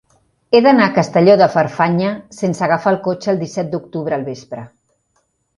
He d'anar a Castelló de Farfanya sense agafar el cotxe el disset d'octubre al vespre.